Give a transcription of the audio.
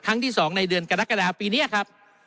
ครั้งที่๒ในเดือนกรกฎาปีเนี่ยครับ